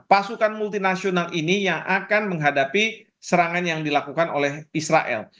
pasukan multinasional ini yang akan menghadapi serangan yang dilakukan oleh israel